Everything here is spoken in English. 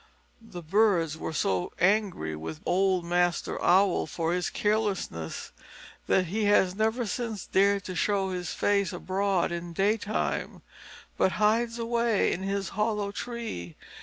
The birds were so angry with old Master Owl for his carelessness that he has never since dared to show his face abroad in daytime, but hides away in his hollow tree.